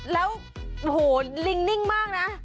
แล้วโอ้โหลิงนิ่งมากนะ